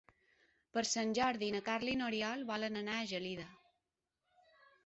Per Sant Jordi na Carla i n'Oriol volen anar a Gelida.